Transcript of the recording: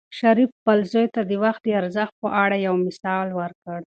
شریف خپل زوی ته د وخت د ارزښت په اړه یو مثال ورکړ.